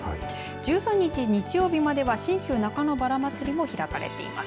１３日日曜日までは信州中野バラまつりも開かれています。